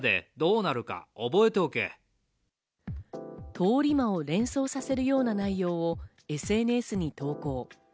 通り魔を連想させるような内容をＳＮＳに投稿。